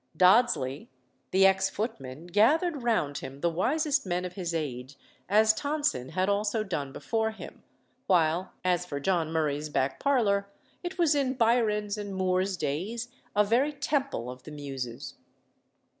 Dodsley, the ex footman, gathered round him the wisest men of his age, as Tonson had also done before him; while, as for John Murray's back parlour, it was in Byron's and Moore's days a very temple of the Muses.